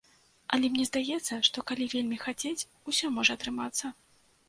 Але мне здаецца, што калі вельмі хацець, усё можа атрымацца.